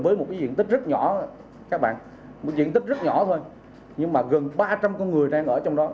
với một diện tích rất nhỏ các bạn một diện tích rất nhỏ thôi nhưng mà gần ba trăm linh con người đang ở trong đó